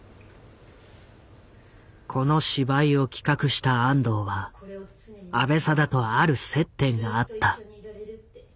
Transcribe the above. この芝居を企画した安藤は阿部定とある接点があった。